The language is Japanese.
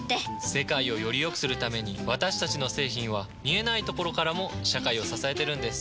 世界をよりよくするために私たちの製品は見えないところからも社会を支えてるんです。